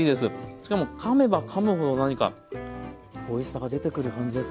しかもかめばかむほど何かおいしさが出てくる感じです。